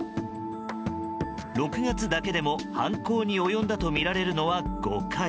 ６月だけでも犯行に及んだとみられるのは５回。